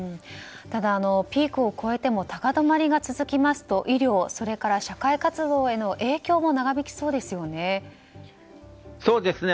ただピークを超えても高止まりが続きますと医療、それから社会活動への影響も長引きそうですよね。